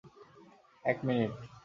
এক মিনিট।